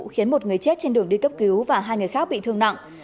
khiến một người chết trên đường đi cấp cứu và hai người khác bị thương nặng